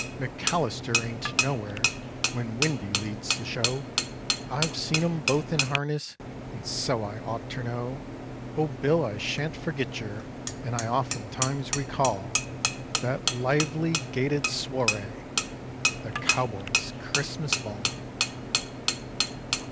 McAllister ain't nowhere, when Windy leads the show; I've seen 'em both in harness and so I ought ter know. Oh, Bill, I shan't forget yer, and I oftentimes recall That lively gaited sworray the Cowboy's Christmas Ball.